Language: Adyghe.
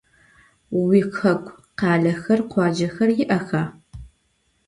Vuixeku khalexer, khuacexer yi'exa?